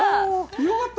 よかった！